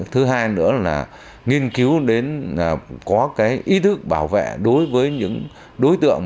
thứ hai nữa là nghiên cứu đến có ý thức bảo vệ đối với những đối tượng